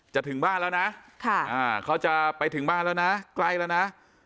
ถึงบ้านแล้วนะเขาจะไปถึงบ้านแล้วนะใกล้แล้วนะ